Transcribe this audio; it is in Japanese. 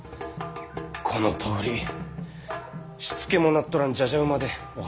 このとおりしつけもなっとらんじゃじゃ馬でお恥ずかしい限り。